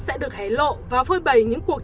sẽ được hé lộ và phôi bày những cuộc